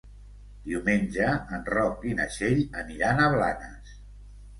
Diumenge en Roc i na Txell aniran a Blanes.